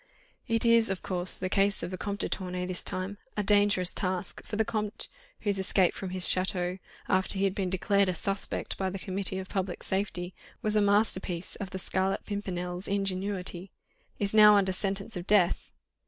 "It is, of course, the case of the Comte de Tournay, this time; a dangerous task, for the Comte, whose escape from his château, after he had been declared a 'suspect' by the Committee of Public Safety, was a masterpiece of the Scarlet Pimpernel's ingenuity, is now under sentence of death.